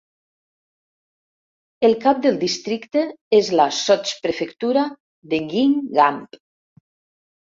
El cap del districte és la sotsprefectura de Guingamp.